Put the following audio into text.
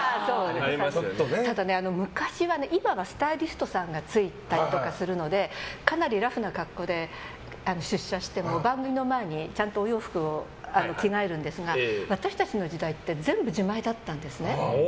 ただ、今はスタイリストさんがついたりするのでかなりラフな格好で出社しても番組の前に、ちゃんとお洋服を着替えるんですが私たちの時代って全部、自前だったんですね。